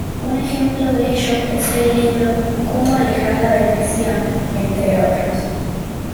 Un ejemplo de ello es el libro "Cómo alejar la depresión", entre otros.